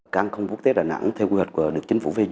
các khách quốc tế đà nẵng theo quy hoạch của đcvd